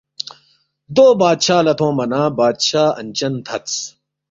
دو بادشاہ لہ تھونگما نہ بادشاہ انچن تھدس